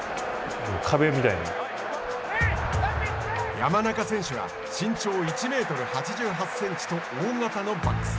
山中選手は身長１メートル８８センチと大型のバックス。